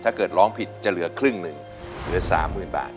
ร้องผิดจะเหลือครึ่งหนึ่งเหลือ๓๐๐๐บาท